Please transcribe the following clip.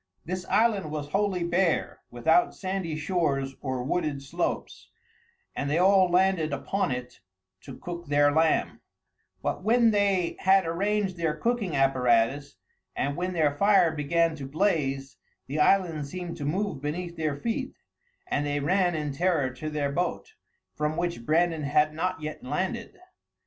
This island was wholly bare, without sandy shores or wooded slopes, and they all landed upon it to cook their lamb; but when they had arranged their cooking apparatus, and when their fire began to blaze, the island seemed to move beneath their feet, and they ran in terror to their boat, from which Brandan had not yet landed.